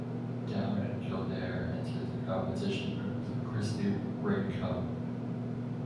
Down and Kildare entered the competition from the Christy Ring Cup.